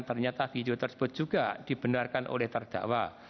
ternyata video tersebut juga dibenarkan oleh terdakwa